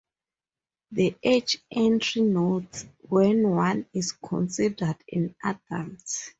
The age entry notes when one is considered an adult.